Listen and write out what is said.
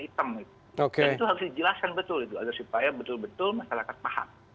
itu harus dijelaskan betul itu agar supaya betul betul masyarakat paham